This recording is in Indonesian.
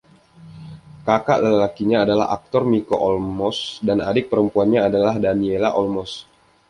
Kakak lelakinya adalah aktor Mico Olmos, dan adik perempuannya adalah Daniela Olmos.